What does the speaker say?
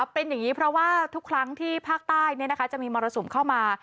เป็นอย่างนี้เพราะว่าทุกครั้งที่ภาคใต้จะมีมรสุมเข้ามา